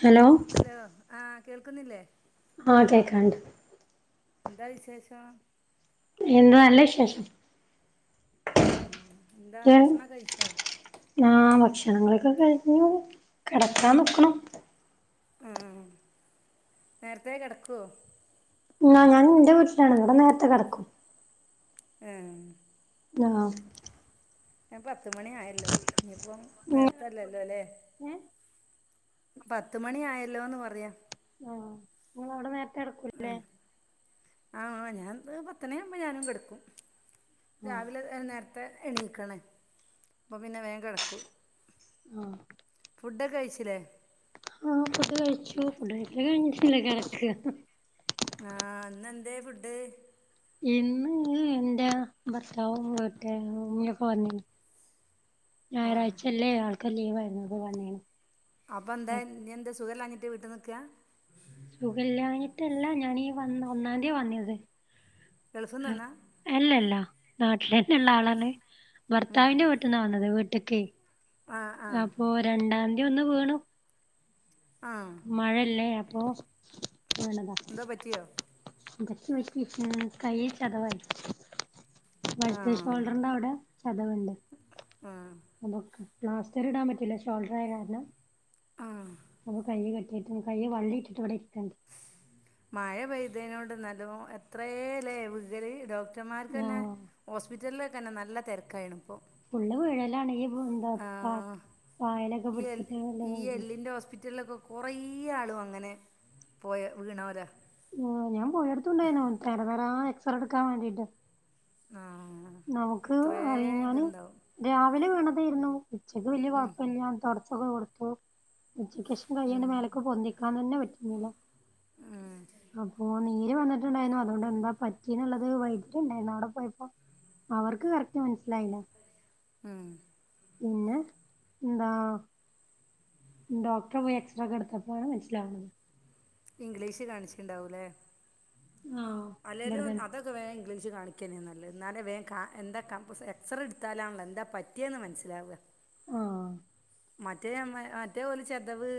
Hello hello ആഹ് കേൾക്കുന്നില്ലേ ഓഹ് കേക്കണ്ട് ന്താ വിശേഷം എന്തുവ നല്ല വിശേഷം ആഹ് ഇന്താ ഭക്ഷണം കൈച്ചോ ആഹ് ഭക്ഷണങ്ങളൊക്കെ കഴിഞ്ഞു കെടക്കാൻ നോക്ക്ണു മ്മ്ഹ് നേരത്തേ കെടക്കോ എന്നാ ഞാൻ എന്റെ വീട്ടിലാണ് ഇവിടെ നേരത്തെ കിടക്കും ഏഹ് ആഹ് ഞ പത്ത് മണി ആയല്ലോ ഇനീപ്പോ ഏ നേരത്തെല്ലല്ലോല്ലേ പത്ത് മണി ആയല്ലോന്ന് പറയ്യാ ഓഹ് ആഹ് ആഹ് ഞാൻ പത്ത്ണിയാവുമ്പോ ഞാനും കെടുക്കും ആ രാവില നേരത്തെ എണീക്കണെ അപ്പപ്പിന്നെ വേം കെടക്കും ആഹ് ഫുഡൊക്കെ കഴിച്ചിലേ ആഹ്‌ ഫുഡ് കഴിച്ചു, ഫുഡ് കഴിക്കലയ്ഞ്ഞിട്ടില്ല. കെടക്ക ആഹ് ന്നെന്തേ ഫുഡ് ഇന്ന് എന്റെ ഭർത്താവും വീട്ടാരും ഉമ്മ്യും ഒക്കെ വന്നീനി ആ ഞായറാഴ്ചല്ലേ ആൾക്ക് ലീവ് ആയിരുന്നു. അപ്പൊ വന്നീനി അപ്പം ന്തേ നി എന്ത സുഖല്ലാഞ്ഞിട്ട് വീടട്ട്നിക്കാ സുഖല്യാഞ്ഞിട്ടല്ല ഞാനീ വന്ന ഒന്നാന്തിയാ വന്നത് തെൾസംന്ന്ന്ന അല്ലല്ലാ നാട്ടിലന്നെള്ളാളാണ്. ഭർത്താവിന്റെ വീട്ട്ന്നവന്നത്. വീട്ട്ക്കെയ് ആഹ് ആഹ് അപ്പൊ രണ്ടാന്തിഒന്ന് വീണു ആഹ് മഴല്ലേ അപ്പൊ വീണതാ ന്തോ പറ്റിയോ ഇൻജെക്ഷൻ വച്ചിരിക്കാണ്. കയ്യിന് ചതവായി വൽത്തെ ആഹ് ഷോൾഡറിന്റവിടെ ചതവ്ണ്ട് ആഹ് ഉം, പ്ലാസ്റ്ററിടാൻ പറ്റില്ല, ഷോൾഡറായ കാരണം ആഹ് അപ്പൊ കയ്യ് കെട്ടിയിട്ട്ണ്. കയ്യ് വള്ളിയിട്ടിട്ട് ഇവിടെയിരിക്കണ്ട് മഴ പെയ്തേനോട് നല്ലോ എത്രേലേ, വ്കല് ഡോക് ക്ടർമാർക്കന്നെ ആഹ് ഹോസ്പിറ്റലിലൊക്കെന്നെ നല്ല തെര്ക്കായിണ്പ്പൊ ഫുള്ള് വീഴലാണ് ഈ പോ ന്ത ത്താ ഈ എൽ ഈ എല്ലിന്റെ ഹോസ്പിറ്റലിലൊക്കൊ കൊറേ ആളും അങ്ങനെ പോയ വീണോര ആഹ്, ഞാൻ പോയോട്ത്തുണ്ടായ്ന്നു. തെര തെരാ എക്സറടുക്കാൻ വേണ്ടീട്ട്.. ആഹ്‌ നമുക്ക് അയ് ഞാന്. രാവിലെ വിണതയ്രുന്നു. ഉച്ചക്ക് വല്യ ഉം കൊഴപ്പല്യ. തൊടച്ചൊക്കെ കൊടുത്തു. ഉച്ചക്കേഷം ഉം കയ്യണ്ട് മേലക്ക്‌ പൊന്തിക്കാനെന്നെ പറ്റുന്നില്ല. ഉം അപ്പൊ നീര് വന്നിട്ടുണ്ടായിന്നു. അതുകൊണ്ട് എന്താ പറ്റിന്ന്ള്ളത് വൈകിട്ടുണ്ടായിന്നു. അവിടെ പോയപ്പോ. അവർക്ക് കറക്റ്റ് മനസ്സിലായില്ല. ഉം. പിന്നെ ന്താ. ഡോക്ടറെ പോയി എക്സറേക്കട്ത്തപ്പോഴാണ് മനസ്സിലാവുന്നത്. ഇംഗ്ലീഷ് കാണിച്ചിണ്ടാവൂലെ ആഹ് ഇവിടെ അലരും അ- തന്നെ അതൊക്കെ വേ ഇഗ്ലീഷി കാണിക്യന്നെ നല്ലത്. ന്നാലെ വേം ക എന്താ കം എക്സ്റേട്ത്താലാണല്ലൊ എന്താ പ റ്റിയന്ന് മനസ്സിലാവുക. ആഹ് മറ്റേ ഞമ്മ മറ്റേഓല് ചെതവ്.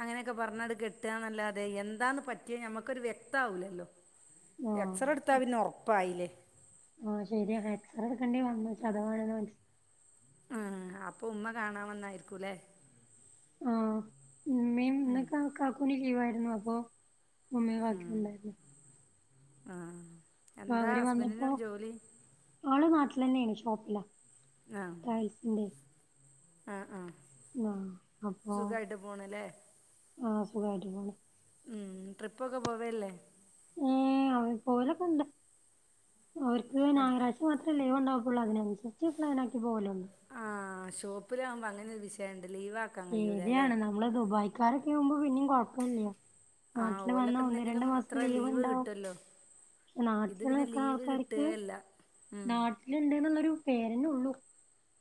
അങ്ങനെയൊക്കെ പറഞ്ഞട് കെട്ടാന്നല്ലാതെ എന്താന്ന് പറ്റിയ ഞമ്മക്കൊരു വ്യക്താവൂലല്ലോ. ആഹ് എക്സറേട്ത്താ പിന്നെ ഒർപ്പായില്ലേ. ആഹ് ശരിയ, എക്സറെട്ക്കണ്ടി വന്നു ചതവാണന്ന് മൻസ്. ആഹ് അപ്പം ഉമ്മ കാണാൻ വന്നായിരിക്കു ലേ. ആഹ് ഉമ്മീം ഇന്ന് കാ കാക്കൂനി ലീവായിരുന്നു അപ്പൊ ഉമ്മീം കാക്കിണ്ടായ്രുന്നു ആഹ്‌ അപ്പൊ എന്താ അവര് വന്നപ്പോ ഹസ്ബന്റിന് ജോലി. ആള് നാട്ടിലന്നേണ് ഷോപ്പില. ആഹ്‌ ആഹ്‌ ആഹ്‌ ആ സുഖായിട്ട് പോണ്ലേ ആഹ് സുഗായിട്ട് പോണ്. ഉം ട്രിപ്പൊക്കെ പോവേല്ലേ. ഉം അവര് പോലൊക്കെ ഉണ്ട് അവർക്ക് അടുത്ത് ഞായറാഴ്ച മാത്രേ ലീവ് ഉണ്ടാവഉം. അതിനനുസരിച്ച് പ്ലൻാക്കി പോലന്ന്. ആഹ് ഷോപ്പിലാകുമ്പോ അങ്ങനെ ഒരു വിശയണ്ട് ലീവ്. ആക്കാൻ കഴിയൂല അല്ലേ ശരിയാണ് നമ്മൾ ദുബായക്കാരൊക്കെ ആവുമ്പോ പിന്നും കൊഴപ്പില്ല. ആഹ് നാട്ടില് വന്നാ ഓലൊക്കെ ഒന്ന് എന്തെങ്കിലും രണ്ടു മാസം അത്ര ലീവ് ഉണ്ടാവും. കിട്ടുവല്ലോ ഇത് പിന്നെ നാട്ടിലുള്ളക്കെ ലീവ് ആൾക്കാർക്ക് കിട്ടുകേല്ല ഉം നാട്ടിലുണ്ട് എന്നുള്ളൊരു പേരനെ ഉള്ളു.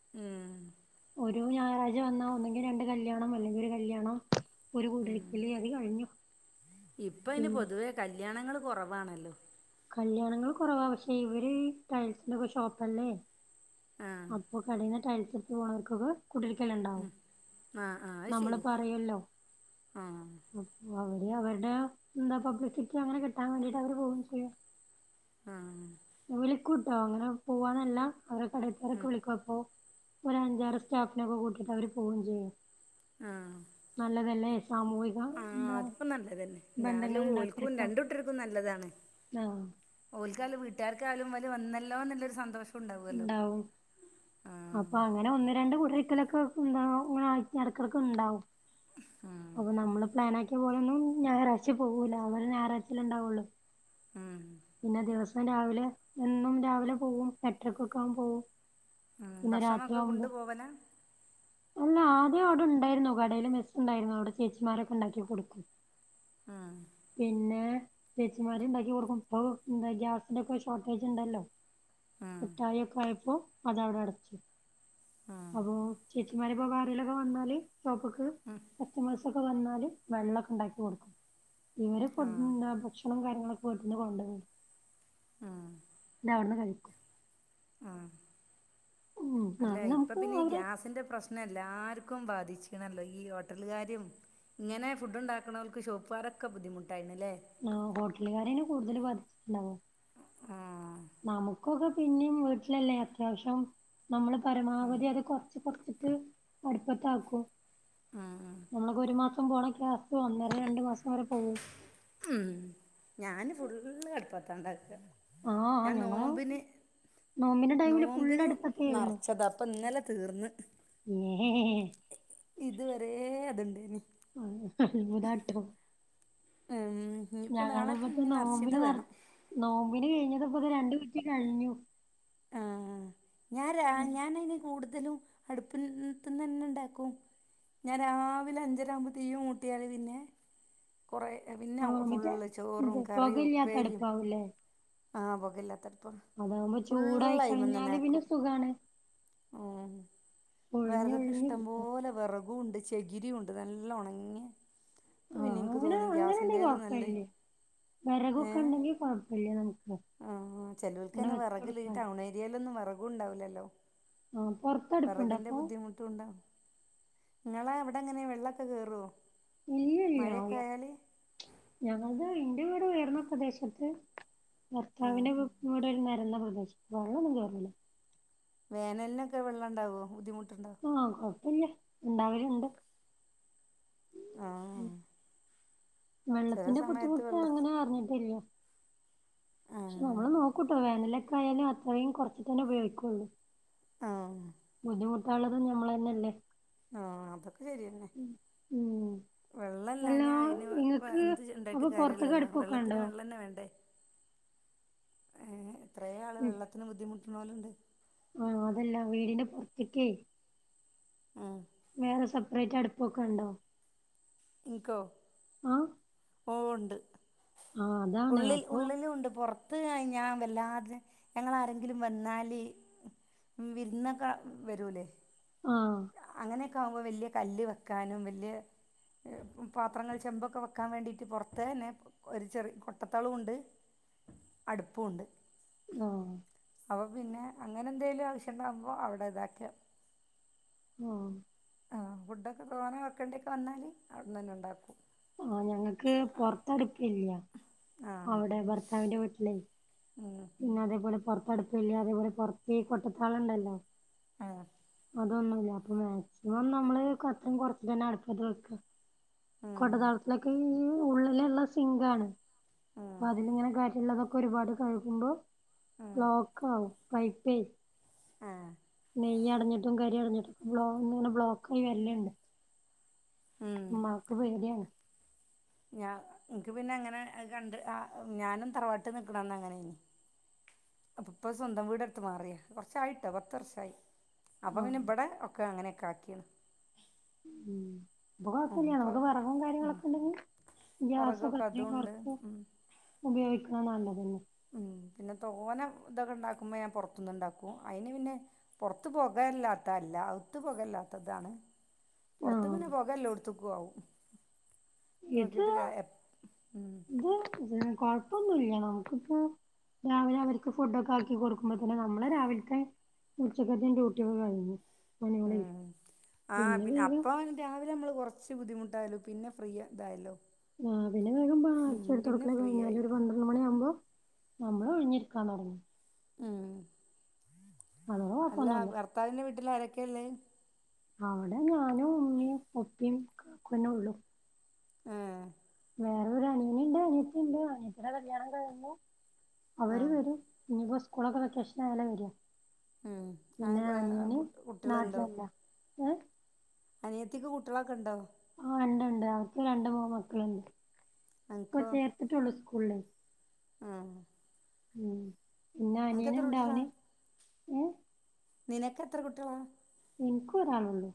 ഉം. ഒരു ഞായറഴ്ച വന്നാ ഒന്നെങ്കിൽ രണ്ട് കല്യാണം അല്ലെങ്കിൽ ഒരു കല്യാണം. ഒരു ഉം കൂടരിക്കല് അത് കഴിഞ്ഞു പിന്നെ. കല്യാണങ്ങൾ കുറവാണല്ലോ. കല്യാണങ്ങൾ കുറവാ പക്ഷെ ഇവര്ഈ ടയൽസിന്റെക്ക ഷോപ്പല്ലേ. ആഹ് അപ്പൊ കടേന്ന് റ്റൈൽസ് എടുത്തു പോണക്കുക. കുടരിക്കലുണ്ടാവും ഉം ആഹ് ആഹ് അത് നമ്മള് ശരിയാ പറയല്ലോ. ആഹ് അപ്പൊ അവിടെ അവരുടെ എന്താ പബ്ലിസിറ്റി അങ്ങനെ കിട്ടാൻ വേണ്ടിട്ട് അവര് പോവയും ചെയും ആഹ് വിളിക്കൂട്ടോ അങ്ങനെ പോവന്നല്ല അവരെ കടത്താരൊക്കെ ഉം വിളിക്കോപ്പോ. ഒരു അഞ്ചാറ് സ്റ്റാഫിന ഒക്കെ കൂട്ടിപള്ളി പോവ്വം ചെയ്യും. ആഹ് നല്ലതല്ലേ സാമൂഹ. ആഹ് അതിപ്പോ നല്ലത് തന്നെ എന്നാലും ഓൽക്കും ഉണ്ടാക്കിയെടുക്കാം രണ്ട ഇട്ടർക്കും നല്ലതാണ്. ആഹ് ഓൽക്കാലും വീട്ടുകാക്ക ആാലും വല വന്നല്ലോന്ന എന്നല്ലൊരു സന്തോഷം. ഉണ്ടാവുമല്ലോ ഉണ്ടാവും. അപ്പൊ ആഹ് അങ്ങനെ ഒന്ന് രണ്ട് കുടരിക്കലൊക്കെ അങ്ങനെ ആടക്കൊക്കെ ഉണ്ടാവും. ഉം അപ്പൊ നമ്മള് പ്ലൻ ആാക്കിയ പോലെൊന്നും ഞായറാഴ്ച പോകൂല അവര് ഞായറാഴ്ചൽ ഉണ്ടാവുള്ളൂ. ഉം പിന്നെ ദിവസം രാവിലെ എന്നും രാവിലെ പോവും എട്ടരക്കൊക്കെ ആവും പോവും ഉം പിന്നെ രാത്രി ഭക്ഷണക്കെ ആവുമ്പോ കൊണ്ട് പോവലാ? അല്ല ആദ്യം അവിടെ ഇണ്ടെയിരുന്നു കടയില് മിസ്സ് ഇണ്ടെയിരുന്നു അവടെ ചേച്ചിമാരൊക്കെ ഇണ്ടാക്കി കൊടുക്കും ആഹ് പിന്നെ ചെച്ചിമാരി ഇണ്ടാക്കി കൊടുക്കും ഇപ്പൊന്ത ഗ്യാസിന്റെ ഒക്കെ ഷോർട്ടേജ് ഇണ്ടല്ലോ ഉം കിട്ടായിക്കെ ആയപ്പോ അതവിടെ അടച്ച് ഉം അപ്പൊ ചേചിമാര് ഇപ്പോ ആരെയിലൊക്കെ വന്നാല് ഷോപ്പ്ക്ക് ഉം കസ്റ്റമേഴസ് ഒക്കെ വന്നാല് വെള്ളക്കെ ഇണ്ടാക്കി കൊടുക്കും ഇവര് ഫുഡണ് ആഹ് പ്രേഷ്‌ണം ഭക്ഷണം കാര്യങ്ങളൊക്കെ ഓര്ന്നേ കൊണ്ട്വരും ഉം ന്നട്ട് അവിടന്ന് കഴിക്കും ആ ഉം അല്ല അത് ഇപ്പ നമുക്ക് പിന്നെ ഈ അവരെ ഗ്യാസിന്റെ പ്രശ് നെ എല്ലാർക്കും ബാധിച്ചിക്കണല്ലോ ഈ ഹോട്ടല്കാരും ഇങ്ങനെ ഫുഡ് ഉണ്ടാക്കുന്നവർക്ക്ഷോപ്പുകാരൊക്കെ ബുദ്ധിമുട്ടായിര്ന്ന്ല്ലേ ആ ഹോട്ടലുകാരെണ് കൂടുതൽ ബാധിച്ചിട്ട്ണ്ടാവ ആഹ് നമുക്കൊക്കെ പി പിന്നെയും വീട്ട്ലല്ലേ അത്യാവശ്യം നമ്മള് പരമാവധി അത് കോർച്ച് കോർച്ചിട്ട് അട്പ്പത്ത് ആക്കും ഉം ഉം മ്മളക്ക ഒരു മാസം പക്കം പോണ ഒന്നര രണ്ടു മാസം വരെ പോകും മ് ഞാന് ഫുള്ള് അടുപ്പത്താണ്ടാക്ക ആഹ ഞങ്ങളും നോമ്പിന് അടുപ്പത്തായിരുന്നു നർച്ചതാ പ്പൊ ഇന്നലെ തീർന്ന് എ് എഹ് ഇതുവരെ അത്ണ്ടേനി ആ ഉന്ന്ട്ടോ ഉം ഇനിപ്പോ നാളെക്ക് ഞങ്ങളത്പ്പത്തെ ഇഞ് നർച്ചിട്ട് നോമ്പിന് നട വേണം നോമ്പിന് കഴിഞ്ഞത്പ്പത് രണ്ട് കുറ്റി കഴിഞ്ഞു. ആ ഞാൻ ഞാനതിന് കൂടുതലും അടുപ്പിത്ത്ന്ന് ന്നെ ഉണ്ടാക്കും ഞാൻ രാവിലെ അഞ്ചരരാകുമ്പോൾ തീ കുട്ടിയൽ പിന്നെ കൊറേ പിന്നെ ആഹ് മറ്റേ ഫുള്ള് ഇത് ചോറും കറിയും പൊകയില്ലാത്ത ഉപ്പേരിയും അടുപ്പാവൂല്ലേ ആഹ് പൊഗല്ലാത്തട്പ്പ. അതവുമ്പോ ചൂടായി കഴിഞ്ഞാല് പിന്നെ സുഗാണ് എ വെർക്ക് ഒഴിഞ്ഞൊഴിഞ്ഞ് ഇഷ്ടം കിട്ടണം പോലെ വെർക്കുണ്ട് ചെകിരി ഉണ്ട് നല്ല ഓണങ്ങിയെ ഇപ്പ പിന്നെ ആഹ് ൻക്ക് അങ്ങനെ തോന്നുന്നത് അങ്ങനെണ്ടെങ്കി ഗ്യാസിന്റൊലും നല്ലേ ഏ കുഴപ്പല്ല്യ നമ്മക്ക് ആ ചെലോർക്കേന്നെ വെർകില്ല ഈ ടൗൺ ഏരിയയിലൊന്നും വെർകും ഉണ്ടാവില്ലല്ലോ ആഹ് പൊറത്തടുപ്പുണ്ടോ വെറകിന്റെ അപ്പൊ ബുദ്ധിമു തുണ്ട നിങ്ങളെ എവിടെ എങ്ങനെ വെള്ളൊക്കെ കേറുവോ ഇല്ലല്ല ഞങ്ങളത് ഇന്റെ വീട് ഉയർന്ന പ്രദേശത്ത് ആ ഭർത്താവിന്റെ വ് വീട് ഒരു നര്ന്ന പ്രദേശത്താ വെള്ളം ഒന്നും കേറൂല വേനലിനൊക്കെ വെള്ളം ഉണ്ടാവോ ബുദ്ധിമുട്ടുണ്ടാവോ ആ കൊഴപ്പില്ല ഇണ്ടാവല് ഇണ്ട് ആ ചില വെള്ളത്തിന്റെ സമയത്ത് ബുദ്ധിമുട്ട് വെള്ള അങ്ങനെ അറിഞ്ഞിട്ടില്ല്യ ആ പക്ഷെ നമ്മള് നോക്കൂട്ടോ വേനലൊക്കെ ആയാലും അത്രയും കുറച്ച്ട്ടന്നെ ഉപയോഗിക്കുള്ളൂ ആ ബുദ്ധിമുട്ടാനുള്ളതും ഞമ്മൾ തന്നെയല്ലേ ആ അതൊക്കെ ശരി മ് മ് വെള്ളല്ലാഞ്ഞ അയിന് ഇങ്ങക്ക് എന്ത് ഉണ്ടായിട്ട് അപ്പൊ പൊറത്ത്ക്ക് കാര്യമില്ലല്ലോ വെള്ളത്തിന് അടുപ്പൊക്കെണ്ടോ വെള്ളം തന്നെ വേണ്ടേ ഏ എത്രയോ ആള് വെള്ളത്തിന് ബുദ്ധിമുട്ടുണോല്ണ്ട് ആ അതല്ല വീടിന്റെ പുറത്ത്ക്കേ ഉം വേറെ സെപ്പറേറ്റ് അടുപ്പൊക്കെണ്ടോ ഇൻകോ ആഹ് ഓ ഒണ്ട് ആഹ് അതാണ് ഉള്ളിൽ അപ്പൊ ഉള്ളിലും ഉണ്ട് പുറ- ത്ത് കയിഞ്ഞ ഞാൻവല്ലാതെ ഞങ്ങള ആരെങ്കിലും വന്നാല് വിര്ന്നക്ക വരൂല്ലേ ആഹ് അങ്ങനെയൊക്കെ ആകുമ്പോൾ വെല്യ കല്ല് വെക്കാനും വെല്യ പാത്രങ്ങൾ ചെമ്പൊക്കെ വെക്കാൻ വേണ്ടിയിട്ട് പുറത്ത്ന്നെ ഒരു ചെറിയ കൊട്ടത്തളുണ്ട് അടുപ്പുണ്ട് ഉം അപ്പോ പിന്നെ അങ്ങനെ എന്തേങ്കിലും ആവശ്യം ഇണ്ടാകുമ്പോൾ അവിടെ ഇതാക്ക ഉം ആഹ് ഫുഡൊക്കെ തോനെ വെക്കേണ്ടിക്കെ വന്നാല് അവിടുന്ന് തന്നെ ഉണ്ടാക്കും ആഹ് ഞങ്ങക്ക് അപ്പ് പുറത്ത് അടുപ്പ് ഇല്ല ആ അവിടെ ഭർത്താവിന്റെ വീട്ടിലെ ഉം പിന്നെ അതേപോലെ പോറത്ത് അടുപ്പില്ല അതേപോലെ പോറത്തേ കൊട്ടത്താളുണ്ടല്ലോ ആഹ് അതൊന്നുമില്ല അപ്പൊ മാക്സിമം നമ്മള് കട്ടൻ കൊറച്ച് തന്നെ അടുപ്പത് വെക്കുക ഉം, കൊടതാളത്തിലൊക്ക് ഈ ഉള്ളിലിള്ള സിംഗാണ് ഉം, അപ്പ അതിലിങ്ങനെ കാറ്റ്ള്ളതൊക്കെ ഒരുപാട് കഴിക്കുമ്പോ ഉം, ബ്ലോക്ക് ആവും പൈപ്പേ ആഹ് നെയ്യ് അടഞ്ഞിട്ടും കരി അടഞ്ഞിട്ടും ബ്ലോ ഇങ്ങനെ ബ്ലോക്കായി വല്ല് ഇണ്ട് ഉം ക്ക് പേടിയാണ് ഞാൻ നിക്ക് പിന്നെ എങ്ങനെ കണ്ട് ആഹ് ഞാനും തറവാട്ട് നിൽക്കണംന്ന് അങ്ങനെയിന്ന് അപ്പ ഇപ്പൊ സ്വന്തം വീടെട്ത്ത് മാറി കൊർച്ചായിട്ടോ പത്ത് വർഷായി അപ്പൊ പിന്നെ ആഹ് ഇബടെ ഒക്കെ അങ്ങനെക്കെ ആക്കീണ് ഉം അത് കൊഴപ്പല്ല്യ ഇപ്പോൾ നമുക്ക് വെറകും കാര്യങ്ങളൊക്കെ ഇണ്ടെങ്കി ഗ്യാസൊക്കെ വിറകൊക്കെ അത്രയും അതുകൊണ്ട് കൊർക്കാ ഉപയോഗിക്കാൻ നല്ലതന്നെ ഉം പിന്നെ തോന തൊക്കെ ഇണ്ടാക്കുമ്പോ ഞാൻ പൊർത്ത്ന്ന് ഇണ്ടാക്കും അയിന് പിന്നെ പൊർത്ത് പോകല്ലാത്ത അല്ല അവ്ത്ത് പോകല്ലാത്തതാണ് പൊർത്ത് ആഹ് പിന്നെ പോകല്ലോടുത്ത്ക്കു ആവും ഇത് നോക്കിയിട്ട് ഇത് ഇതിന് കൊഴപ്പൊന്നുല്ല നമുക്കിപ്പോ രാവിലെ അവർക്ക് ഫുഡ് ഒക്കെ ആക്കി കൊടുക്കുമ്പോത്തിന് നമ്മളെ രാവിൽത്തെ ഉച്ചക്കത്തെ ഡ്യൂട്ടി ഒക്കെ കഴിഞ്ഞ് ഉം ആ പിന്നെ വേഗം അപ്പോ ഒര് രാവിലെ നമ്മള് കൊർച്ച് ബുദ്ധിമുട്ടായാലും പിന്നെ ഫ്രീ തായല്ലോ ആഹ് പിന്നെ വേഗം പാ അടിച്ച് വാരി തൊടക്കലോക്കെ കഴിഞ്ഞാല് ഒരു പന്ത്ര - ണ്ട് മണി ആവുമ്പോ നമ്മള് ഒഴിഞ്ഞിരിക്കാൻ തൊടങ്ങി ഉം അതോണ്ട് അല്ല കൊഴപ്പൊന്നുല്ല ഭർത്താവിന്റെ വീട്ടില് ആരെക്കെള്ളെ അവടെ ഞാനും ഉമ്മീം ഉപ്പീ കാക്കുന്നെ ഉള്ളു ഏഹ് വേറൊരു അനിയന്ണ്ട് അനിയത്തിണ്ട് അനിയത്തിടെ കല്യാണം കഴിഞ്ഞു അവര് ആഹ് വരും ഇനിയിപ്പോ സ്കൂളൊക്കെ വെക്കേഷൻ ആയാലെ വരു ഉം ആ പിന്നെ അനിയന് കുട്ടികളുണ്ടോ നാട്ടിലല്ല ഏഹ് അനിയത്തിക്ക് കുട്ടിയളൊക്കെ ഇണ്ടോ ആ ഇണ്ട് ണ്ട് അവർക്ക് രണ്ട് മൂന്ന് മക്കള്ണ്ട് ഇപ്പൊ അനക്കോ ചേർത്ത്ട്ടൊള്ളു സ്കൂൾല് ആഹ് ഉം പിന്ന അനക്ക് എത്ര അനിയനിണ്ടവന് ഏഹ് നിനക്കെത്ര കുട്ടിയളാ ഇൻക്കോരാളള്ളൂ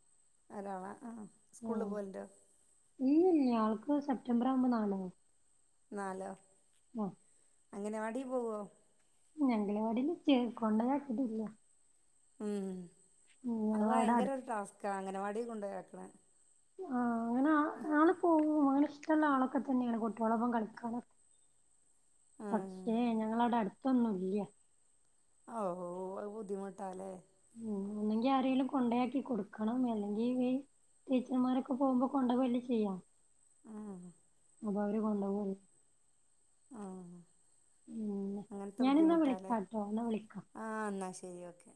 ഓരാള ആ സ്കൂൾല് പോവൽണ്ടോ ഇല്ലില്ല ആൾക്ക് സെപ്റ്റംബറാവുമ്പോ നാലാവു നാലോ ആഹ് അങ്ങനവാടി പോവോ അങ്കലവാടില് ചേർ കൊണ്ടയാക്കിട്ടില്ല ഉം ഉം അഹ് ഞങ്ങളവിടെ അടുത്ത് ഭയങ്കരരു ടാസ്കാ അങ്കനവാടി കൊണ്ടയാക്ക്ണ ആഹ് അങ്ങനെ ആ ആള് പോവും അങ്ങനെ ഇഷ്ടള്ള ആളൊക്കെ തന്നെണ് കുട്ടിയോളപ്പം കളിക്കാനൊക്കെ ആഹ് പക്ഷേ ഞങ്ങളവ്ടെ അടുത്തൊന്നുല്ല അവൂ [unintelligible] ബുദ്ധിമുട്ടാ ലെ ഒന്നുങ്കി ആരെലും കൊണ്ടയാക്കി കൊടുക്കണം അല്ലെങ്കി ടീച്ചർമാരൊക്കെ പോവുമ്പോ കൊണ്ടോവല്ലെ ചെയ്യ ആഹ് അപ്പൊ അവര് കൊണ്ടോവൊ ആഹ് പിന്നെ അങ്ങൻത്തെ ഞാനിന്നാ ബുദ്ധിമുട്ടാലേ വിളിക്കാട്ടോ എന്നാ വിളിക്കാ ആഹ് ന്നാ ശെരി ഓക്കെ